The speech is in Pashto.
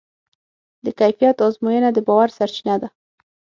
د کیفیت ازموینه د باور سرچینه ده.